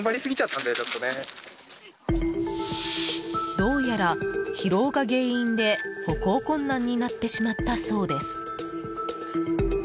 どうやら疲労が原因で歩行困難になってしまったそうです。